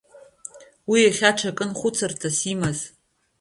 Уи иахьа ҽакын хәыцырҭас имаз.